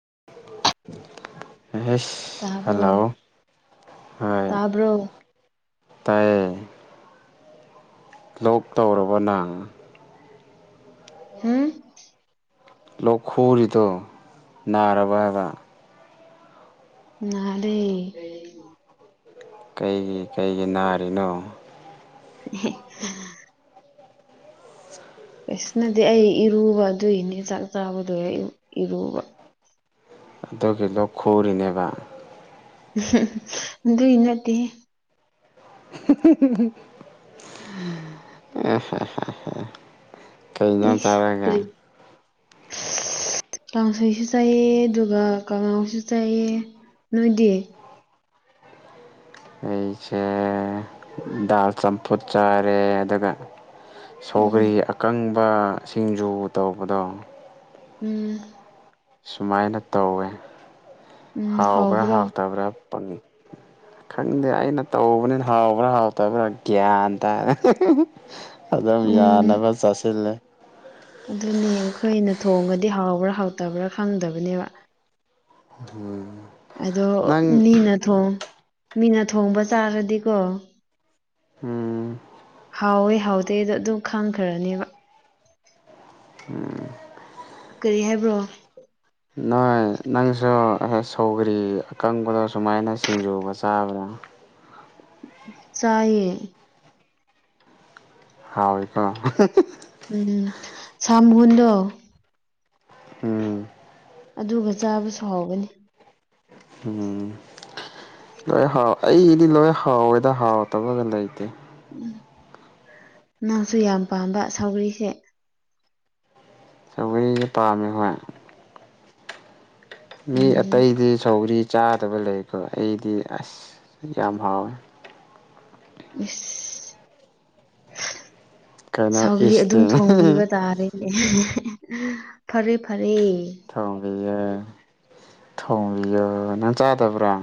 [inaudible] ꯑꯩꯁ ꯇꯥꯕ꯭ꯔꯣ ꯍꯜꯂꯣ ꯍꯣꯏ ꯇꯥꯕ꯭ꯔꯣ ꯇꯥꯢꯌꯦ ꯂꯣꯛ ꯇꯧꯔꯕꯣ ꯅꯪ ꯍꯝ ꯂꯣꯛ ꯈꯨꯔꯤꯗꯣ ꯅꯥꯔꯕꯣ ꯍꯥꯏꯕ ꯅꯥꯗꯦ ꯀꯔꯤ ꯀꯩꯒꯤ ꯀꯩꯒꯤ ꯅꯥꯔꯤꯅꯣ [unintelligible] ꯑꯩꯁ ꯅꯪꯗꯤ ꯑꯩ ꯏꯔꯨꯕ ꯑꯗꯨꯏꯅꯦ ꯆꯥꯛ ꯆꯥꯕꯗꯨꯒꯩ ꯏꯔꯨꯕ ꯑꯗꯨꯒꯤꯗꯣ ꯈꯨꯔꯤꯅꯦꯕ [unintelligible] ꯑꯗꯨꯏ ꯅꯠꯇꯦ [unintelligible] ꯀꯩ ꯏꯟꯖꯥꯡ ꯏꯁ ꯆꯥꯔꯒꯦ ꯀꯔꯤ [inaudible] ꯀꯥꯡꯁꯣꯏꯁꯨ ꯆꯥꯏꯌꯦ ꯑꯗꯨꯒ ꯀꯥꯡꯍꯧꯁꯨ ꯆꯥꯏꯌꯦ ꯅꯣꯏꯗꯤ ꯑꯩꯁꯦ ꯗꯥꯜ ꯆꯥꯝꯐꯨꯠ ꯆꯥꯔꯦ ꯑꯗꯨꯒ ꯎꯝ ꯁꯧꯒ꯭ꯔꯤ ꯑꯀꯪꯕ ꯁꯤꯡꯖꯨ ꯇꯧꯕꯗꯣ ꯎꯝ ꯁꯨꯃꯥꯏꯅ ꯇꯧꯋꯦ ꯎꯝ ꯍꯥꯎꯕ꯭ꯔꯥ ꯍꯥꯎꯕ꯭ꯔꯣ ꯍꯥꯎꯇꯕ꯭ꯔꯥ ꯄꯪꯉꯤ ꯈꯪꯗꯦ ꯑꯩꯅ ꯇꯧꯕꯅꯤꯅ ꯍꯥꯎꯕ꯭ꯔꯥ ꯍꯥꯎꯇꯕ꯭ꯔꯥ ꯒ꯭ꯌꯥꯟ ꯇꯥ [unintelligible] ꯑꯗꯨꯝ ꯎꯝ ꯌꯥꯅꯕ ꯆꯥꯁꯜꯂꯦ ꯑꯗꯨꯅꯦ ꯑꯩꯈꯣꯏꯅ ꯊꯣꯡꯉꯗꯤ ꯍꯥꯎꯕ꯭ꯔꯥ ꯍꯥꯎꯇꯕ꯭ꯔꯥ ꯈꯪꯗꯕꯅꯦꯕ [unintelligible] ꯑꯗꯣ ꯅꯪ ꯃꯤꯅ ꯊꯣꯡ ꯃꯤꯅ ꯊꯣꯡꯕ ꯆꯥꯔꯗꯤꯀꯣ ꯎꯝ ꯍꯥꯎꯋꯤ ꯍꯥꯎꯗꯦꯗꯣ ꯑꯗꯨꯝ ꯈꯪꯈ꯭ꯔꯅꯦꯕ ꯎꯝ ꯀ꯭ꯔꯤ ꯍꯥꯏꯕ꯭ꯔꯣ ꯅꯣꯏ ꯅꯪꯁꯨ ꯁꯧꯒ꯭ꯔꯤ ꯑꯀꯪꯕꯗꯣ ꯁꯨꯃꯥꯏꯅ ꯁꯤꯡꯖꯨꯒ ꯆꯥꯕ꯭ꯔꯥ ꯆꯥꯏꯌꯦ ꯍꯥꯎꯋꯤ ꯀꯣ ꯎꯝ ꯁꯥꯝꯍꯨꯟꯗꯣ ꯎꯝ ꯑꯗꯨꯒ ꯆꯥꯕꯁꯨ ꯍꯥꯎꯒꯅꯤ ꯎꯝ ꯂꯣꯏ ꯍꯥꯎ ꯑꯩꯗꯤ ꯂꯣꯏ ꯍꯥꯎꯋꯦꯗ ꯍꯥꯎꯇꯕꯒ ꯂꯩꯇꯦ ꯎ ꯅꯪꯁꯨ ꯌꯥꯝ ꯄꯥꯝꯕ ꯁꯧꯒ꯭ꯔꯤꯁꯦ ꯆꯧꯒꯔꯤꯁꯦ ꯄꯥꯝꯃꯦ ꯍꯣꯏ ꯃꯤ ꯎꯝ ꯑꯇꯩꯗꯤ ꯁꯧꯒ꯭ꯔꯤ ꯆꯥꯗꯕ ꯂꯩꯀꯣ ꯑꯩꯗꯤ ꯑꯁ ꯌꯥꯝ ꯍꯥꯎꯋꯦ ꯏꯁ [unintelligible] ꯀꯩꯅꯣ ꯁꯥꯎꯒ꯭ꯔꯤ ꯏꯁꯇꯤ ꯑꯗꯨꯝ ꯊꯣꯡꯕꯤꯕ ꯇꯥꯔꯦꯅꯦ [unintelligible] ꯐꯔꯦ ꯐꯔꯦ ꯊꯣꯡꯕꯤꯌꯦ ꯊꯣꯡꯕꯤꯌꯣ ꯅꯪ ꯆꯥꯗꯕ꯭ꯔꯥ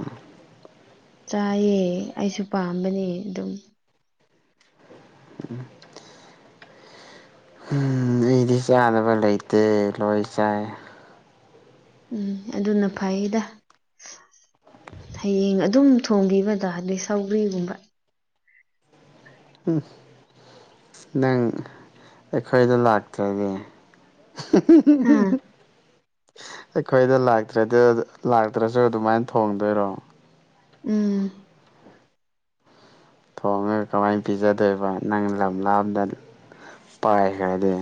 ꯆꯥꯏꯌꯦ ꯑꯩꯁꯨ ꯄꯥꯝꯕꯅꯦ ꯗꯨꯝ [unintelligible] ꯍꯨꯝ ꯑꯩꯗꯤ ꯆꯥꯗꯕ ꯂꯩꯇꯦ ꯂꯣꯏ ꯆꯥꯏ ꯎꯝ ꯑꯗꯨꯅ ꯐꯩꯗ ꯍꯌꯦꯡ ꯑꯗꯨꯝ ꯊꯣꯡꯕꯤꯕ ꯗꯥꯗꯦ ꯁꯧꯒ꯭ꯔꯤꯒꯨꯝꯕ ꯎꯝ ꯅꯪ ꯑꯩꯈꯣꯏꯗ ꯂꯥꯛꯇ꯭ꯔꯗꯤ ꯍꯥ [unintelligible] ꯑꯩꯈꯣꯏꯗ ꯂꯥꯛꯇ꯭ꯔꯗꯤ ꯂꯥꯛꯇ꯭ꯔꯁꯨ ꯑꯗꯨꯃꯥꯏ ꯊꯣꯡꯗꯣꯏꯔꯣ ꯎꯝ ꯊꯣꯡꯉꯒ ꯀꯃꯥꯏꯅ ꯄꯤꯖꯗꯣꯏꯕ ꯅꯪ ꯂꯝ ꯂꯥꯞꯅ ꯄꯥꯢꯈ꯭ꯔꯗꯤ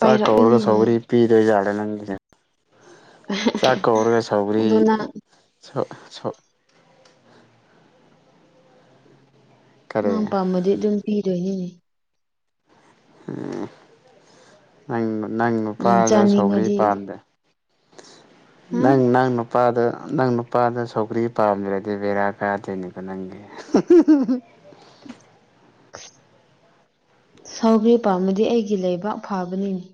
ꯆꯥꯛ ꯀꯧꯔ ꯁꯧꯒ꯭ꯔꯤ ꯄꯤꯗ ꯌꯥꯔꯦ ꯅꯪꯒꯤꯁꯦ ꯆꯥꯛ ꯀꯧꯔꯒ ꯁꯧꯒ꯭ꯔꯤ ꯑꯗꯣ ꯅꯪ ꯀꯔꯤ ꯅꯪ ꯄꯥꯝꯃꯗꯤ ꯑꯗꯨꯝ ꯊꯤꯗꯣꯏꯅꯤꯅꯦ ꯎꯝ ꯅꯪ ꯅꯪ ꯅꯨꯄꯥꯗ ꯁꯧꯒ꯭ꯔꯤ ꯄꯥꯝꯗꯦ ꯍꯥ ꯅꯪ ꯅꯪ ꯅꯨ ꯄꯥꯗ ꯅꯪ ꯅꯨꯄꯥꯗ ꯁꯧꯒ꯭ꯔꯤ ꯄꯥꯝꯗ꯭ꯔꯗꯤ ꯕꯦꯔꯥ ꯀꯥꯗꯣꯏꯅꯤꯀꯣ ꯅꯪꯒꯤ [inaudible] ꯁꯥꯎꯒ꯭ꯔꯤ ꯄꯥꯃꯗꯤ ꯑꯩꯒꯤ ꯂꯩꯕꯥꯛ ꯐꯥꯕꯅꯤꯅꯦ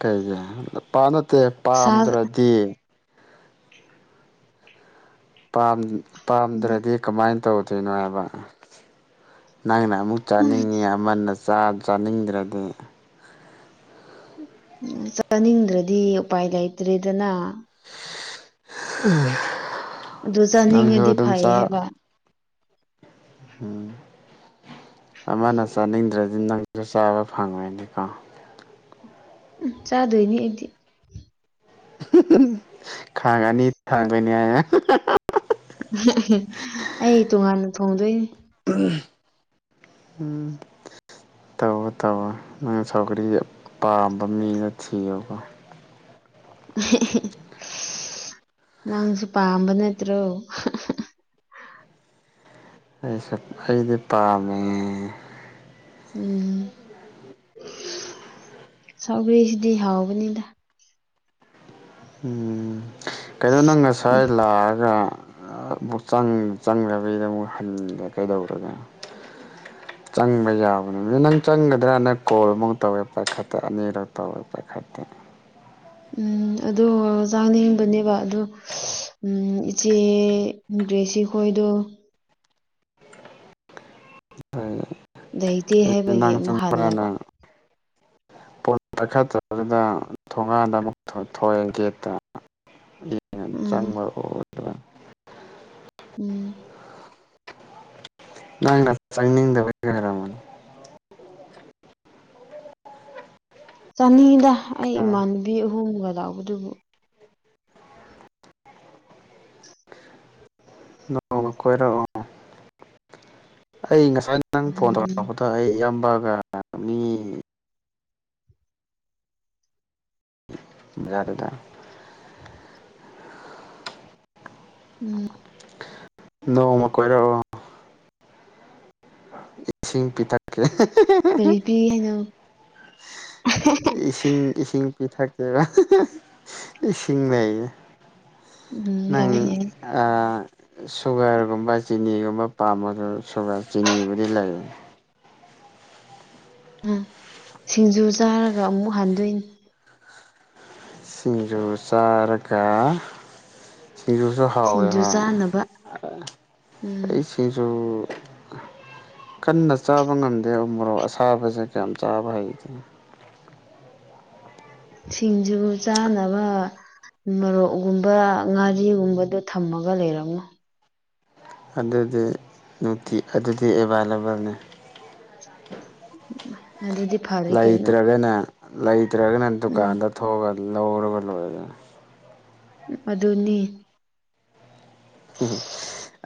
ꯀꯩꯒꯤ ꯄꯥ ꯅꯠꯇꯦ ꯁꯥ ꯄꯥꯝꯗ꯭ꯔꯗꯤ ꯄꯥꯝ ꯄꯥꯝꯗ꯭ꯔꯗꯤ ꯀꯃꯥꯏ ꯇꯧꯗꯣꯏꯅꯣ ꯍꯥꯏꯕ ꯅꯪꯅ ꯑꯃꯨꯛ ꯆꯥꯅꯤꯡꯉꯤ ꯑꯃꯅ ꯆꯥ ꯆꯥꯅꯤꯡꯗ꯭ꯔꯗꯤ ꯎ ꯆꯥꯅꯤꯡꯗ꯭ꯔꯗꯤ ꯎꯄꯥꯏ ꯂꯩꯇ꯭ꯔꯦꯗꯅ ꯑꯗꯨ ꯅꯪꯁꯨ ꯆꯥꯅꯤꯡꯉꯗꯤ ꯑꯗꯨꯝ ꯐꯩ ꯆꯥ ꯍꯥꯏꯕ ꯎꯝ ꯑꯃꯅ ꯆꯥꯅꯤꯡꯗ꯭ꯔꯗꯤ ꯅꯪ ꯖꯨ ꯆꯥꯕ ꯐꯪꯉꯣꯢꯅꯦꯀꯣ ꯎꯝ ꯆꯥꯗꯣꯏꯅꯤ ꯑꯩꯗꯤ ꯈꯥꯡ ꯑꯅꯤ ꯊꯥꯡꯗꯣꯢꯅꯦ ꯑꯩ ꯇꯣꯉꯥꯟꯅ ꯊꯣꯡꯗꯣꯏꯅꯦ ꯎꯝ ꯇꯧꯋꯣ ꯇꯧꯋꯣ ꯅꯪꯅ ꯁꯧꯒ꯭ꯔꯤ ꯄꯥꯝꯕ ꯃꯤꯃ ꯊꯤꯌꯨꯀꯣ [unintelligible] ꯅꯪꯁꯨ ꯄꯥꯝꯕ ꯅꯠꯇ꯭ꯔꯣ ꯑꯩꯁꯨ ꯑꯩꯗꯤ ꯄꯥꯝꯃꯦ ꯎꯝ ꯁꯧꯒ꯭ꯔꯤꯁꯤꯗꯤ ꯍꯥꯎꯕꯅꯤꯗ ꯎꯝ ꯀꯩꯩꯅꯣ ꯅꯪ ꯉꯁꯥꯏ ꯂꯥꯛꯑꯒ ꯑꯃꯨꯛ ꯆꯪ ꯆꯪꯗꯕꯤꯗ ꯑꯃꯨꯛ ꯍꯟꯒꯦ ꯀꯩꯗꯧꯔꯒ [inaudible] ꯆꯪꯕ ꯌꯥꯕꯅꯤ ꯅꯪ ꯆꯪꯒꯗ꯭ꯔꯅ ꯀꯣꯜ ꯃꯨꯛꯀ ꯇꯧꯋꯦ ꯄꯥꯏꯈꯠꯇꯦ ꯑꯅꯤꯔꯛ ꯇꯧꯔꯦ ꯄꯥꯏꯈꯠꯇꯦ ꯎꯝ ꯑꯗꯣ ꯆꯥꯅꯤꯡꯕꯅꯦꯕ ꯑꯗꯣ ꯎꯝ ꯏꯆꯦ ꯒ꯭ꯔꯦꯁꯤꯈꯣꯏꯗꯣ ꯑꯩ ꯂꯩꯇꯦ ꯍꯥꯏꯕꯒꯤ ꯅꯪ ꯑꯃꯨꯛ ꯆꯪꯕ꯭ꯔꯥꯅ ꯍꯜꯂꯕ [inaudible] ꯐꯣꯟ ꯄꯥꯢꯈꯠꯇꯕꯨꯗ ꯊꯣꯡꯒꯥꯥꯟꯗ ꯑꯃꯨꯛ ꯊꯣꯛꯑꯦ ꯒꯦꯠꯇ ꯌꯥꯝ ꯎꯝ ꯆꯪꯕ ꯑꯣꯏ ꯎꯝ ꯅꯪꯅ ꯆꯪꯅꯤꯡꯗꯕꯒꯤ ꯑꯣꯢꯔꯝꯒꯅꯤ ꯆꯥꯅꯤꯡꯉꯤꯗ ꯑꯩ ꯏꯃꯥꯟꯅꯕꯤ ꯑꯍꯨꯝꯒ ꯂꯥꯛꯄꯗꯨꯕꯨ ꯑꯣ ꯀꯣꯏꯔꯛꯑꯣ ꯑꯩ ꯉꯁꯥꯏ ꯅꯪ ꯐꯣꯟ ꯎꯝ ꯇꯧꯔꯛꯄꯗꯣ ꯑꯩ ꯏꯌꯥꯝ ꯕꯒ ꯃꯤ [unintelligible] ꯎꯝ ꯅꯣꯡꯃ ꯀꯣꯏꯔꯛꯑꯣ ꯏꯁꯤꯡ ꯄꯤꯊꯛꯀꯦ ꯀꯔꯤ ꯄꯤ ꯍꯥꯏꯅꯣ ꯏꯁꯤꯡ ꯏꯁꯤꯡ ꯄꯤꯊꯛ ꯀꯩꯕ ꯏꯁꯤꯡ ꯂꯩ ꯎꯝ ꯅꯪ ꯌꯥꯏ ꯌꯥꯏ ꯑ ꯁꯨꯒꯔꯒꯨꯝꯕ ꯆꯤꯅꯤꯒꯨꯝꯕ ꯄꯥꯝꯕꯗꯨ ꯁꯨꯒꯔ ꯆꯤꯅꯤꯕꯨꯗꯤ ꯂꯩ ꯑ ꯁꯤꯡꯖꯨ ꯆꯥꯔꯒ ꯑꯃꯨꯛ ꯍꯟꯗꯣꯏꯅꯤ ꯁꯤꯡꯖꯨ ꯆꯥꯔꯀꯥ ꯁꯤꯡꯖꯨꯁꯨ ꯍꯥꯎꯋꯦ ꯁꯤꯡꯖꯨ ꯍꯥ ꯆꯥꯅꯕ ꯎꯝ ꯑꯩ ꯁꯤꯡꯖꯨ ꯀꯟꯅ ꯆꯥꯕ ꯉꯝꯗꯦ ꯎ ꯃꯣꯔꯣꯛ ꯑꯁꯥꯕꯁꯦ ꯀꯌꯥꯝ ꯆꯥꯕ ꯍꯩꯇꯦ ꯁꯤꯡꯖꯨ ꯆꯥꯅꯕ ꯎꯃꯔꯣꯛꯎꯝꯕ ꯉꯥꯔꯤꯒꯨꯝꯕꯗꯣ ꯊꯝꯃꯒ ꯂꯩꯔꯝꯃꯨ ꯑꯗꯨꯗꯤ ꯅꯨꯡꯇꯤ ꯑꯗꯨꯗꯤ ꯑꯦꯕꯥꯏꯂꯦꯕꯜꯅꯦ [unintelligible] ꯐꯔꯦ ꯀꯩꯅꯣ ꯂꯩꯇ꯭ꯔꯒꯅ ꯂꯩꯇ꯭ꯔꯒꯅ ꯎꯝ ꯗꯨꯀꯥꯟꯗ ꯊꯣꯛꯑꯒ ꯂꯧꯔꯒ ꯂꯣꯏꯔꯦ ꯑꯗꯨꯅꯤ ꯎ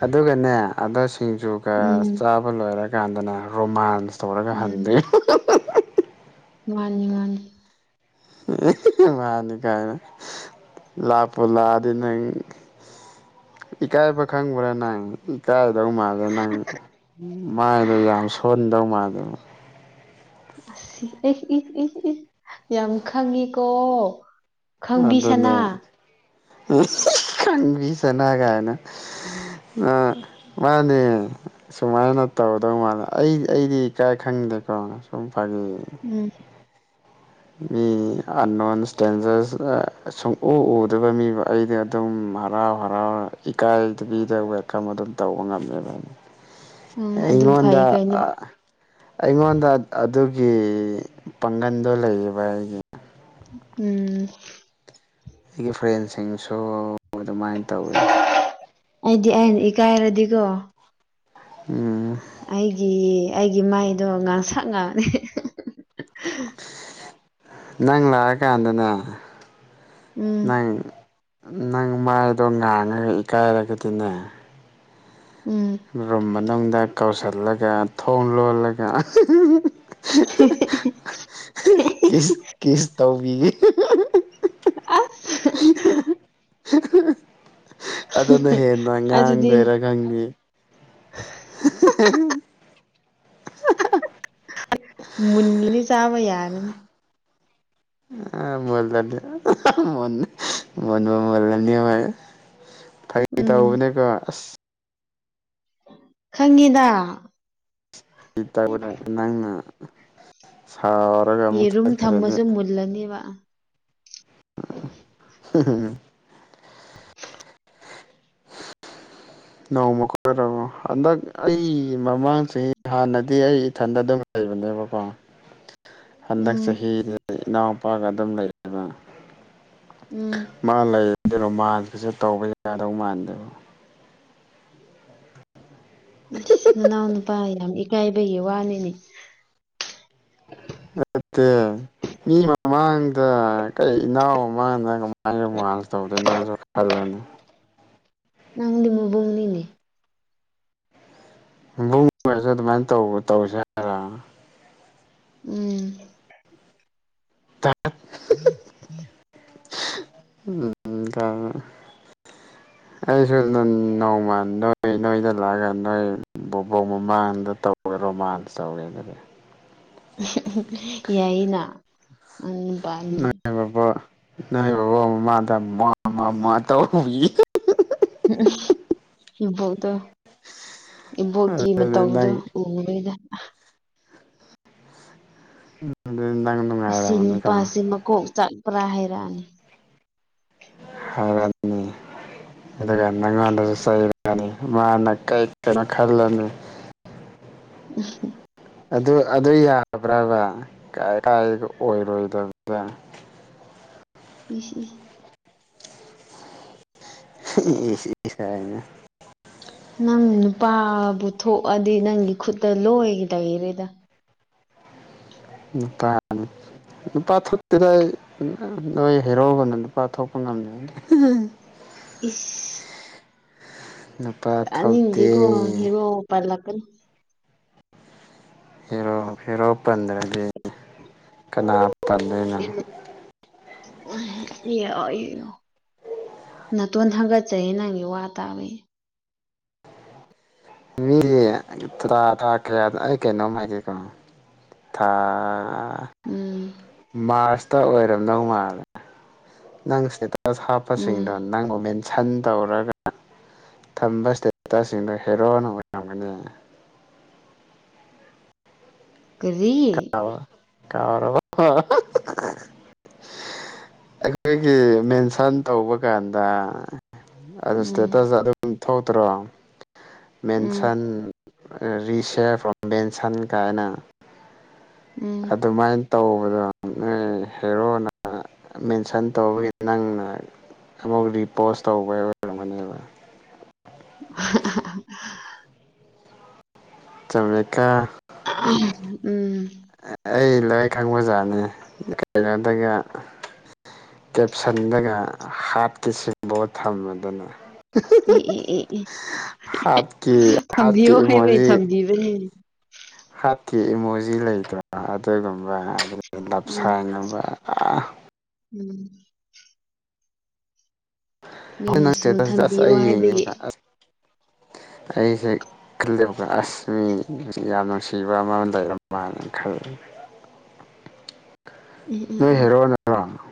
ꯑꯗꯨꯒꯅꯦ ꯑꯗꯣ ꯁꯤꯡꯖꯨꯒ ꯎꯝ ꯆꯥꯕ ꯂꯣꯏꯔꯒ ꯀꯥꯟꯗꯅꯦ ꯔꯣꯃꯥꯟꯁ ꯇꯧꯔꯒ ꯎꯝ ꯍꯟꯗꯣꯢ ꯃꯥꯅꯤ ꯃꯥꯅꯤ [unintelligible] ꯃꯥꯅꯤ ꯀꯥꯏꯅ ꯂꯥꯛꯄꯨ ꯂꯥꯛꯑꯗꯤ ꯅꯩ ꯏꯀꯥꯏꯕ ꯈꯥꯡꯕ꯭ꯔ ꯅꯪ ꯏꯀꯥꯏ ꯗꯧ ꯃꯥꯜꯂꯦ ꯅꯪ ꯃꯥꯏꯗꯣ ꯌꯥꯝ ꯁꯣꯟꯗꯧ ꯃꯥꯜꯂꯦ ꯑꯁꯤ ꯑꯩ ꯑꯦ ꯏ ꯏ ꯌꯥꯝ ꯈꯪꯉꯤꯀꯣ ꯈꯪꯕꯤꯁꯅꯥ ꯈꯪꯕꯤꯁꯅꯥꯒꯥꯏꯅ ꯑ ꯃꯥꯅꯦ ꯁꯨꯃꯥꯏꯅ ꯇꯧꯗꯧ ꯃꯥꯜꯂꯦ ꯑꯩ ꯑꯩꯗꯤ ꯀꯥꯏ ꯈꯪ ꯂꯩ ꯐꯝ ꯁꯨꯝ ꯐꯥꯒꯤ ꯎꯝ ꯃꯤ ꯑ ꯅꯣꯟ ꯁ꯭ꯇꯦꯟꯖꯔꯁ ꯁꯨꯛꯎ ꯎꯗꯕ ꯃꯤꯕꯨ ꯑꯩꯗꯤ ꯑꯗꯨꯝ ꯍꯔꯥꯎ ꯍꯔꯥꯎꯅ ꯏꯀꯥꯏꯕꯤꯗ ꯋꯦꯜꯀꯝ ꯑꯗꯨꯝ ꯇꯧꯕ ꯉꯝꯃꯦꯕ ꯎꯝ ꯑꯗꯨ ꯐꯩ ꯑꯩꯉꯣꯟꯗ ꯀꯩꯅꯣ ꯑ ꯑꯩꯉꯣꯟꯗ ꯑꯗꯨ ꯑꯦ ꯄꯥꯡꯒꯟꯗꯣ ꯂꯩꯌꯦꯕ ꯑꯩꯒꯤ ꯎꯝ ꯔꯤ ꯐ꯭ꯔꯦꯟꯁꯤꯡꯁꯨ ꯑꯗꯨꯃꯥꯏꯅ ꯇꯧꯋꯦ ꯑꯩꯗꯤ ꯑꯩꯅ ꯏꯀꯥꯏꯔꯗꯤꯀꯣ ꯎꯝ ꯑꯩꯒꯤ ꯑꯩꯒꯤ ꯃꯥꯏꯗꯣ ꯉꯥꯡꯁꯪ ꯉꯥꯡꯔꯦ [unintelligible] ꯅꯪ ꯂꯥꯛ ꯀꯥꯟꯗꯅꯦ ꯎꯝ ꯅꯪ ꯅꯪ ꯃꯥꯏꯗꯣ ꯉꯥꯡꯉꯒ ꯏꯀꯥꯏꯔꯒꯗꯤꯅꯦ ꯎꯝ ꯔꯨꯝ ꯃꯅꯨꯡꯗ ꯀꯧꯁꯤꯜꯂꯒ ꯊꯣꯡ ꯂꯣꯜꯂꯒ [unintelligible] [unintelligible] [unintelligible] ꯀꯤꯁ ꯀꯤꯁ ꯇꯧꯕꯤꯒꯦ ꯑꯁ [unintelligible] ꯑꯗꯨꯅ ꯍꯦꯟꯅ ꯑꯗꯨꯗꯤ ꯉꯥꯡꯗꯣꯏꯔꯥ ꯈꯪꯗꯦ [unintelligible] ꯃꯨꯜꯂꯅꯤ ꯆꯥꯕ ꯌꯥꯔꯅꯤ ꯑ ꯃꯣꯜꯂꯅꯤ [unintelligible] ꯃꯨꯟꯕꯨ ꯃꯣꯜꯂꯅꯤ ꯃꯩ [inaudible] ꯐꯥꯒꯤ ꯎꯝ ꯇꯧꯕꯅꯦꯀꯣ ꯑꯁ ꯈꯪꯉꯤꯗ ꯂꯤꯇꯔꯕꯨꯗꯤ ꯅꯪꯅ ꯁꯥꯎꯔꯒ ꯑꯃꯨꯛ ꯌꯦꯔꯨꯝ ꯆꯠꯈ꯭ꯔꯗꯤ ꯊꯝꯃꯁꯨ ꯃꯨꯜꯂꯅꯦꯕ [unintelligible] ꯅꯣꯡꯃ ꯈꯣꯏꯔꯛꯑꯣ ꯍꯟꯗꯛ ꯑꯩ ꯃꯃꯥꯡ ꯆꯍꯤ ꯍꯥꯟꯅꯗꯤ ꯑꯩ ꯏꯊꯟꯗ ꯑꯗꯨꯝ ꯔꯦꯟꯗ ꯂꯩꯕ ꯄꯥꯝ [inaudible] ꯍꯟꯗꯛ ꯎꯝ ꯆꯍꯤꯗꯤ ꯏꯅꯥꯎꯄꯥꯒ ꯑꯗꯨꯝ ꯂꯩꯔ ꯎꯝ ꯃꯥ ꯂꯩꯔꯗꯤ ꯔꯣꯃꯥꯟꯁꯀꯥꯁꯦ ꯇꯧꯕ ꯌꯥꯗꯧ ꯃꯥꯟꯗꯦꯕ ꯏꯁ ꯅꯅꯥꯎ ꯅꯨꯄꯥ ꯌꯥꯝ ꯏꯀꯥꯏꯕꯒꯤ ꯋꯥꯅꯤꯅꯦ ꯅꯠꯇꯦ ꯃꯤ ꯃꯃꯥꯡ ꯗ ꯀꯩ ꯏꯅꯥꯎ ꯃꯃꯥꯡꯗ ꯀꯃꯥꯏ ꯔꯣꯃꯥꯟꯁ ꯇꯧꯗꯣꯏꯅꯣ ꯅꯪꯖꯨ ꯈꯜꯂꯣꯅꯦ ꯅꯪꯗꯤ ꯃꯕꯨꯡꯅꯤꯅꯦ ꯃꯕꯨꯡ ꯑꯣꯢꯕꯁꯨ ꯑꯗꯨꯃꯥꯏ ꯇꯧꯕ ꯇꯧꯁꯦ ꯍꯥꯏꯔ ꯎꯝ [inaudible] ꯎꯝ ꯀꯥꯢꯅ [inaudible] ꯑꯩꯁꯨ ꯅ ꯅꯣꯡꯃ ꯅꯣꯏ ꯅꯣꯏꯗ ꯂꯥꯛꯑꯒ ꯅꯣꯏ ꯕꯣꯕꯣꯛ ꯃꯃꯥꯡꯗ ꯇꯧꯒ ꯔꯣꯃꯥꯟꯁ ꯇꯧꯒꯦ ꯑꯗꯨꯗꯤ ꯌꯥꯏꯌꯦꯅ [unintelligible] ꯅꯣꯢ ꯕꯣꯕꯣꯛ ꯃꯃꯥꯡꯗ ꯎꯝꯋꯥ ꯎꯝꯋꯥ ꯎꯝꯋꯥ ꯇꯧꯕꯤꯒꯦ ꯑ ꯏꯕꯣꯛꯇꯣ ꯏꯕꯣꯛꯀꯤ ꯑꯗꯨꯗꯤ ꯃꯇꯧꯗꯣ ꯅꯪ ꯎꯋꯦꯗ ꯑꯍ [unintelligible] ꯑꯁꯤ ꯅꯨꯡꯉꯥꯏꯔꯝꯃꯅꯤꯀꯣ ꯅꯨꯄꯥꯁꯦ ꯃꯀꯣꯛ ꯆꯥꯛꯄ꯭ꯔꯥ ꯍꯥꯏꯔꯛꯑꯅꯤ [unintelligible] ꯑꯗꯨꯒ ꯅꯪꯉꯣꯟꯗꯁꯨ ꯆꯩꯔꯅꯤ ꯃꯥꯅ ꯀꯩ ꯀꯩꯅꯣ ꯈꯜꯂꯅꯤ [unintelligible] ꯑꯗꯨ ꯑꯗꯨ ꯌꯥꯕ꯭ꯔꯕ ꯀꯥꯏ ꯑꯣꯏꯔꯣꯏꯗꯕꯗ ꯏꯁ ꯏꯁ ꯏꯁ ꯏꯁ [unintelligible] ꯅꯪ ꯅꯨꯄꯥꯕꯨ ꯊꯣꯛꯑꯗꯤ ꯅꯪꯒꯤ ꯈꯨꯠꯇ ꯂꯣꯏ ꯂꯩꯔꯦꯗ ꯅꯤꯄꯥꯟ ꯅꯨꯄꯥ ꯊꯣꯛꯇꯦꯗ ꯑꯩ ꯅꯣꯏ ꯍꯩꯔꯣꯒꯨꯝꯅ ꯅꯨꯄꯥ ꯊꯣꯛꯄ ꯉꯝꯗ ꯏꯁ ꯅꯨꯄꯥ ꯊꯧꯇꯦ ꯑꯅꯤꯡꯗꯦꯀꯣ ꯍꯦꯔꯣ ꯄꯜꯂꯛꯀꯅꯨ ꯍꯦꯔꯣ ꯍꯦꯔꯣ ꯄꯟꯗ꯭ꯔꯗꯤ ꯀꯅꯥ ꯇꯜꯂꯦꯅ ꯎꯝ ꯂꯤꯔꯛꯑꯣ ꯂꯤꯌꯣ ꯅꯥꯇꯣꯟ ꯍꯥꯒꯠꯆꯩ ꯅꯪꯒꯤ ꯋꯥ ꯇꯥꯕꯩ ꯃꯤ ꯊꯥ ꯊꯥ ꯀꯌꯥꯗ ꯑꯩ ꯀꯩꯅꯣꯝ ꯍꯥꯏꯒꯦꯀꯣ ꯊꯥ ꯎꯝ ꯃꯥꯔꯁꯇ ꯑꯣꯏꯔꯝꯗꯧ ꯃꯥꯜꯂꯦ ꯅꯪ ꯁ꯭ꯇꯦꯇꯁ ꯍꯥꯞꯄꯁꯤꯡꯗꯣ ꯎꯝ ꯅꯪꯕꯨ ꯃꯦꯟ ꯁꯟ ꯇꯧꯔꯒ ꯊꯝꯕ ꯁ꯭ꯇꯦꯇꯁꯁꯤꯡꯗꯨ ꯍꯦꯔꯣꯅ ꯑꯣꯏꯔꯝꯒꯅꯤ ꯀꯔꯤ ꯀꯥꯎ ꯀꯥꯎꯔꯕꯣ ꯑꯩꯈꯣꯏꯒꯤ ꯃꯦꯟꯁꯟ ꯇꯧꯕ ꯀꯥꯟꯗ ꯑꯗꯨ ꯎꯝ ꯁ꯭ꯇꯦꯇꯁꯇ ꯑꯗꯨꯝ ꯊꯣꯛꯇ꯭ꯔꯣ ꯎꯝ ꯃꯦꯟꯁꯟ ꯔꯤꯁꯤꯌꯔ ꯐ꯭ꯔꯣꯝ ꯃꯦꯟꯁꯟ ꯀꯥꯏꯅ ꯎꯝ ꯑꯗꯨꯃꯥꯏ ꯇꯧꯕꯗꯣ ꯅꯣꯏ ꯍꯦꯔꯣꯅ ꯃꯦꯟꯁꯟ ꯇꯧꯕꯒꯤ ꯅꯪꯅ ꯑꯃꯨꯛ ꯔꯤꯄꯣꯁ ꯇꯧꯕ ꯑꯣꯏꯔꯝꯒꯅꯤ [inaudible] [unintelligible] ꯆꯨꯝꯃꯦꯀꯣ [inaudible] ꯎꯝ ꯑꯩ ꯂꯣꯏ ꯈꯪꯕꯖꯥꯠꯅꯤ ꯀꯩꯅꯣꯗꯒ ꯀꯦꯞꯁꯜꯗꯒ ꯍꯥꯠꯀꯤ ꯁꯤꯝꯕꯣꯜ ꯊꯝꯃꯗꯅ ꯑꯦ ꯑꯦ ꯑꯦ ꯑꯦ [unintelligible] ꯍꯥꯠꯀꯤ ꯍꯥꯠꯀꯤ ꯊꯝꯕꯤꯌꯣ ꯍꯥꯏꯕꯩ ꯏꯃꯣꯖꯤ ꯊꯝꯕꯤꯕꯅꯤꯅꯦ ꯇꯤ ꯏꯃꯣꯖꯤ ꯂꯩꯗ꯭ꯔꯣ ꯑꯗꯨꯒꯨꯝꯕ ꯑꯗꯒꯤ ꯎꯝ ꯂꯞꯁꯥꯏ ꯑꯝꯃ ꯑ ꯎꯝ ꯍꯣꯏ ꯅꯪ ꯃꯤꯅ ꯁꯨꯝ ꯏꯁꯇꯦꯇꯁꯇ ꯑꯁ ꯊꯝꯕꯤꯌꯣ ꯑꯩ ꯌꯦꯡꯉꯦꯕ ꯍꯥꯏꯕꯒꯤ ꯑꯁ ꯑꯩꯁꯦ ꯈꯜꯂꯦꯕ ꯑꯁ ꯃꯤ ꯌꯥꯝ ꯅꯨꯡꯁꯤꯕ ꯑꯃ ꯂꯩꯔꯝꯃꯥꯜꯂꯦꯅ ꯈꯜꯂꯤꯅꯦ [inaudible] ꯎꯝ ꯎꯝ ꯅꯣꯏ ꯎꯝ ꯍꯦꯔꯣꯅꯔꯣ